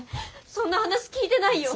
そんな話聞いてないよ。